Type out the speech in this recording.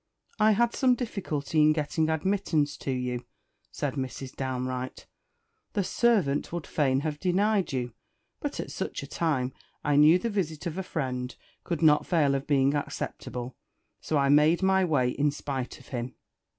"I had some difficulty in getting admittance to you," said Mrs. Downe Wright. "The servant would fain have denied you; but at such a time, I knew the visit of a friend could not fail of being acceptable, so I made good my way in spite of him."